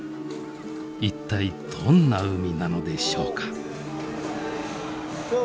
一体どんな海なのでしょうか。